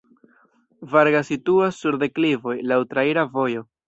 Varga situas sur deklivoj, laŭ traira vojo.